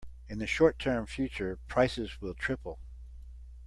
In the short term future, prices will triple.